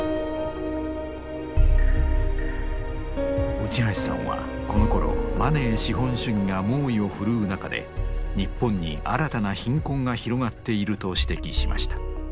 内橋さんはこのころマネー資本主義が猛威を振るう中で日本に新たな貧困が広がっていると指摘しました。